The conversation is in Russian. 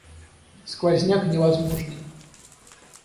Сквозняк невозможный.